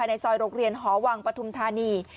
ในซอยโรงเรียนหอวังปฐุมธานี